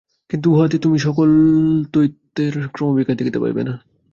কিন্তু উহাতে তুমি ঐসকল তত্ত্বের ক্রমবিকাশ দেখিতে পাইবে না।